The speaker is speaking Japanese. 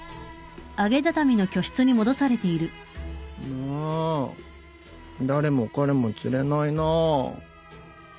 むう誰も彼もつれないなぁ。